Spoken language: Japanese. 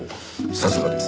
さすがです。